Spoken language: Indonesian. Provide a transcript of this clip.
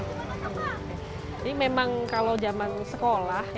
jadi memang kalau zaman sekolah